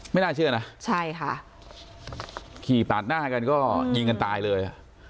น่าเชื่อนะใช่ค่ะขี่ปาดหน้ากันก็ยิงกันตายเลย